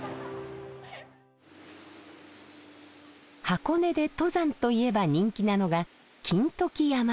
箱根で登山といえば人気なのが金時山。